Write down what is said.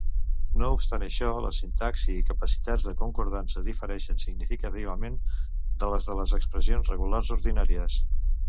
No obstant això, la sintaxi i capacitats de concordança difereixen significativament de les de les expressions regulars ordinàries.